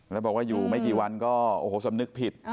แล้วบอกว่าอยู่ไม่กี่วันก็โอ้โหสำนึกผิด